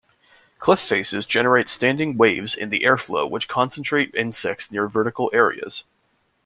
Cliff faces generate standing waves in the airflow which concentrate insects near vertical areas.